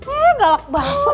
eh galak banget sih